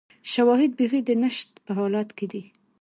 شواهد بیخي د نشت په حال کې دي